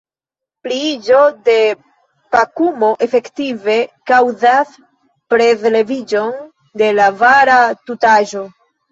Pliiĝo de pakumo efektive kaŭzas prezleviĝon de la vara tutaĵo.